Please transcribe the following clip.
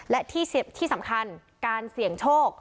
และที่สำคัญการเสี่ยงโชค